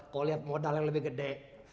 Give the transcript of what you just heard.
kok liat modal yang lebih gede